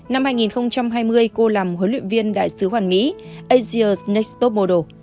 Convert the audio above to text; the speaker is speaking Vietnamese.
năm hai nghìn hai mươi cô làm huấn luyện viên đại sứ hoàn mỹ asia s next top model